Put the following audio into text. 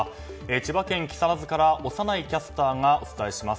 千葉県木更津から小山内キャスターがお伝えします。